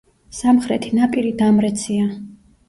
სამხრეთი ნაპირი დამრეცია.